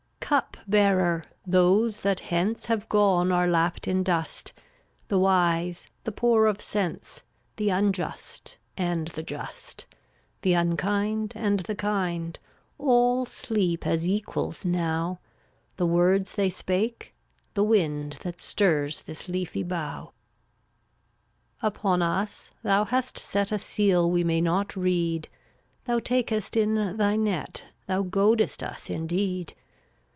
eun<$ (f}tlWl!* Cup bearer, those that hence „ Have gone are lapped in dust, (JvC/ The wise, the poor of sense, The unjust and the just, The unkind and the kind; All sleep as equals now; The words they spake — the wind That stirs this leafy bough. 342 Upon us Thou hast set A seal we may not read; Thou takest in thy net, Thou goadest us, indeed.